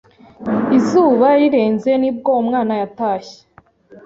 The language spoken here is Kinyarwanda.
izuba rirenze ni bwo umwana yatashye.